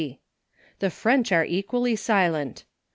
The French are equally silent.